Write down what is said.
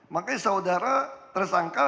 makanya saudara tersangka